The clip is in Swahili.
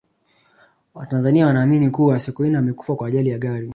watanzania wanaamini kuwa sokoine amekufa kwa ajali ya gari